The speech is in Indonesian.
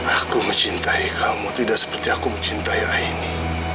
aku mencintai kamu tidak seperti aku mencintai ini